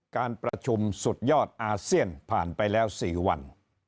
การประชุมสุดยอดอาเซียนผ่านไปแล้ว๔วัน